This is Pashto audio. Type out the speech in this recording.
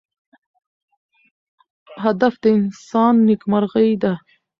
هدف د انسان نیکمرغي ده.